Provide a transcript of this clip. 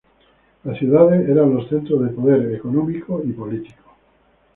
Las ciudades eran los centros de poder económico y político.